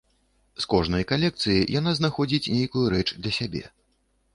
З кожнай калекцыі яна знаходзіць нейкую рэч для сябе.